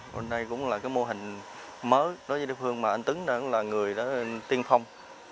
hôm nay cũng là mô hình mới đối với địa phương mà anh tuấn là người tiên phong